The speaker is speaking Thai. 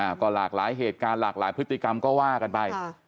ก็หลากหลายเหตุการณ์หลากหลายพฤติกรรมก็ว่ากันไปค่ะ